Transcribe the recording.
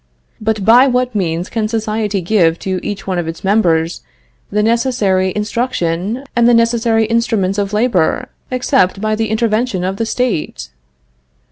But by what means can society give to each one of its members the necessary instruction and the necessary instruments of labor, except by the intervention of the State?"